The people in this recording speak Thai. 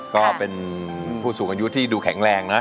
ก็เป็นผู้สูงอายุที่ดูแข็งแรงนะ